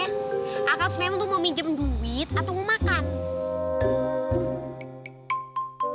akang harus main untuk mau minjem duit atau mau makan